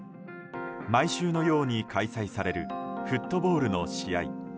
毎週のように開催されるフットボールの試合。